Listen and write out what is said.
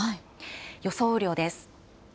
予想雨量です。